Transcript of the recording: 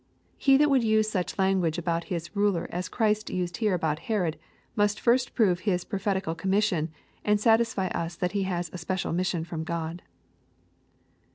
He that would use diich lauguage about his ruler as Christ here used about Herod, must first prove his prophetical commission, and satisfy us that he has a special mission from G od.